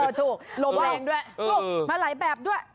เออถูกหลบแวงด้วยถูกมาไหลแบบด้วย